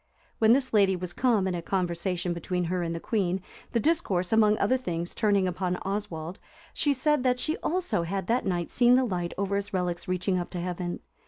When this lady was come, in a conversation between her and the queen, the discourse, among other things, turning upon Oswald, she said, that she also had that night seen the light over his relics reaching up to heaven.